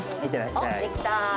できた。